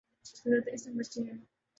ضرورت اس امر کی ہے